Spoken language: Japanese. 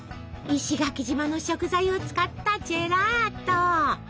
石垣島の食材を使ったジェラート！